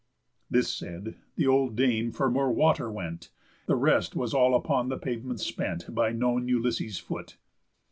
This said, the old dame for more water went, The rest was all upon the pavement spent By known Ulysses' foot.